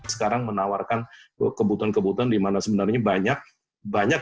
sekarang menawarkan kebutuhan kebutuhan di mana sebenarnya banyak